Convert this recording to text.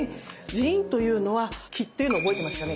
腎というのは気っていうの覚えてますかね。